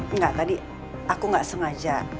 enggak tadi aku nggak sengaja